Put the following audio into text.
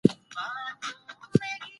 او بيا وائې چې د همېشه نۀ دے